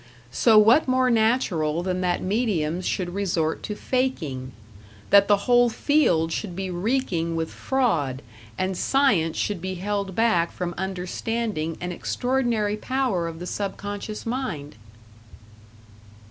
So, what more natural than that mediums should resort to faking? That the whole field should be reeking with fraud, and science should be held back from understanding an extraordinary power of the subconscious mind?